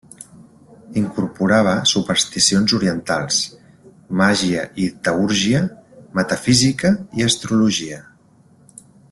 Incorporava supersticions orientals, màgia i teúrgia, metafísica i astrologia.